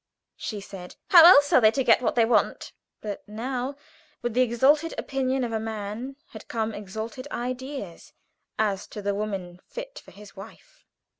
she said, how else are they to get what they want? But now with the exalted opinion of a man, had come exalted ideas as to the woman fit for his wife.